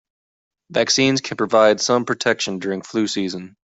Vaccines can provide some protection during flu season.